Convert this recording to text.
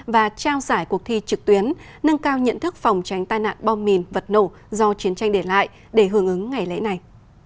và trao giải cuộc thi trực tuyến nâng cao nhận thức phòng tránh tai nạn bom mìn vật nổ do chiến tranh để lại để hưởng ứng ngày lễ này